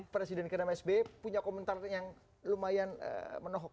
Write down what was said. presiden kmhb punya komentar yang lumayan menolak